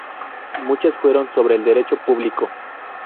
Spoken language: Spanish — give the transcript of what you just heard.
Muchas fueron sobre el derecho público.